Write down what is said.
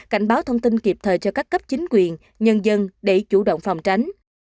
cảnh báo thông tin kịp thời cho các cấp chính quyền nhân dân để chủ động phòng tránh